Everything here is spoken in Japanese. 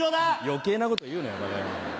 余計なこと言うなよバカ野郎。